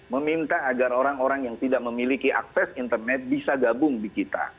meminta agar orang orang yang tidak memiliki akses internet bisa gabung di kita